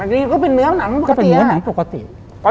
หมายถึงก็เป็นเนื้อหนังปกติ